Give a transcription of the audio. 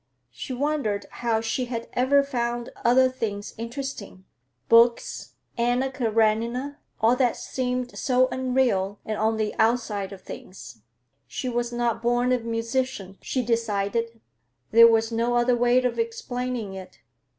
She wondered how she had ever found other things interesting: books, "Anna Karenina"—all that seemed so unreal and on the outside of things. She was not born a musician, she decided; there was no other way of explaining it.